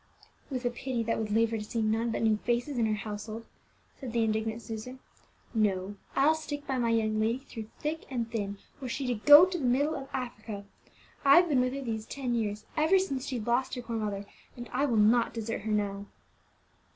"With a pity that would leave her to see none but new faces in her household!" said the indignant Susan. "No; I'll stick by my young lady through thick and thin, were she to go to the middle of Africa. I've been with her these ten years, ever since she lost her poor mother, and I will not desert her now."